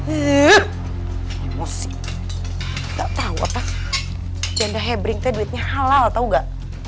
eeeh emosi gak tau apa janda hebring teh duitnya halal tau gak